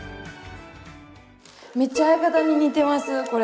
めっちゃ相方に似てますこれ。